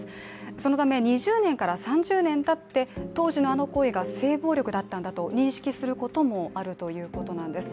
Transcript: そのため２０年から３０年たって当時のあの行為が性暴力だと認識することもあるということなんです。